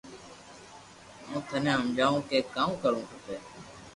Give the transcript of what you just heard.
ھون ٽني ھمجاو ڪي ڪاو ڪرو کپي